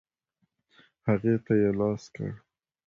هغې ته یې لاس کړ.